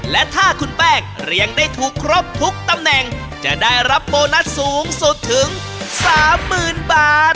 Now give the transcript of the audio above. และถ้าคุณแป้งเรียงได้ถูกครบทุกตำแหน่งจะได้รับโบนัสสูงสุดถึง๓๐๐๐บาท